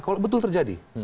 kalau betul terjadi